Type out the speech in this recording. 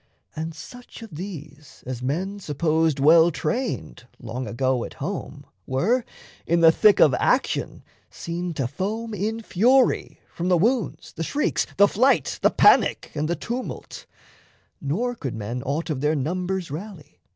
And such of these as men Supposed well trained long ago at home, Were in the thick of action seen to foam In fury, from the wounds, the shrieks, the flight, The panic, and the tumult; nor could men Aught of their numbers rally.